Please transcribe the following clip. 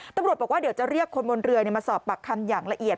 ตำรวจบอกว่าเดี๋ยวจะเรียกคนบนเรือมาสอบปากคำอย่างละเอียด